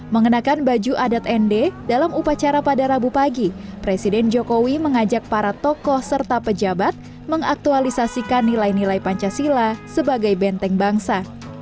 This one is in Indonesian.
mengenakan baju adat nd dalam upacara pada rabu pagi presiden jokowi mengajak para tokoh serta pejabat mengaktualisasikan nilai nilai pancasila sebagai benteng bangsa